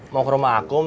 mau ke rumah akum